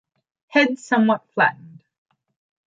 Head somewhat flattened.